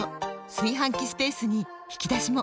炊飯器スペースに引き出しも！